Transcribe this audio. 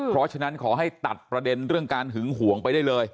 เพราะฉะนั้นขอให้ตัดประเด็นเรื่องการหึงห่วงไปได้เลย